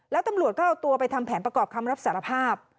แล้วตำรวจก็เอาตัวไปทำแผนประกอบคำรับสารภาพ